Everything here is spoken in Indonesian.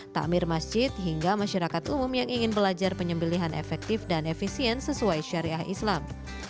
takmir masjid hingga masyarakat umum yang ingin belajar penyembelian efektif dan efisien sesuai syariah islam